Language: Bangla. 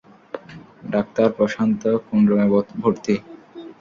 ডাক্তার, প্রশান্ত কোন রুমে ভর্তি?